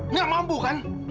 nggak mampu kan